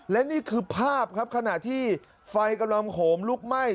และนี่คือภาพครับขณะที่ไฟกำลังโหมลุกไหม้